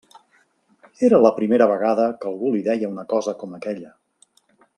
Era la primera vegada que algú li deia una cosa com aquella.